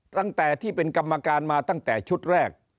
ตั้งแต่ที่เป็นกรรมการมาตั้งแต่ชุดแรก